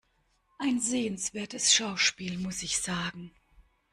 Ein sehenswertes Schauspiel, muss ich sagen.